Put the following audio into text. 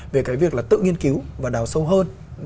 về cái việc là tự nghiên cứu và đào sâu hơn